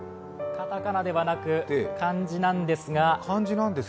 片仮名ではなく、漢字なんですが。